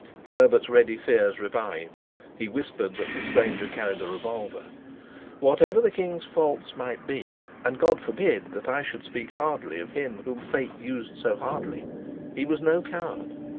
Herbert's ready fears revived; he whispered that the stranger carried a revolver. Whatever the king's faults might be and God forbid that I should speak hardly of him whom fate used so hardly he was no coward.